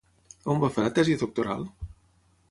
On va fer la tesi doctoral?